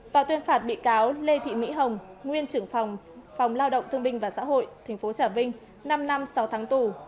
tòa tuyên phạt bị cáo lê thị mỹ hồng nguyên trưởng phòng phòng lao động thương binh và xã hội tp trà vinh năm năm sáu tháng tù